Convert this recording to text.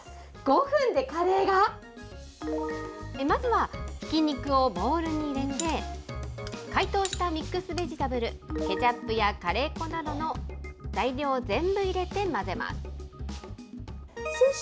まずはひき肉をボウルに入れて、解凍したミックスベジタブル、ケチャップやカレー粉などの材料を全部入れて混ぜます。